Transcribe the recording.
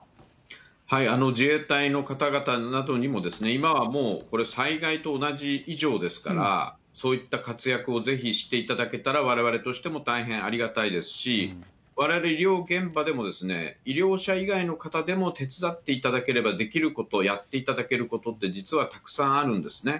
自衛隊の方々などにも、今はもう、これ、災害と同じ以上ですから、そういった活躍をぜひしていただけたら、われわれとしても大変ありがたいですし、われわれ医療現場でも、医療者以外の方でも手伝っていただければできること、やっていただけることって、実はたくさんあるんですね。